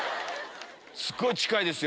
すっごい近いですよ。